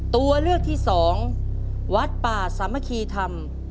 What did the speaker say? ตัวเลือกที่สองวัดป่าสามัคคีธรรม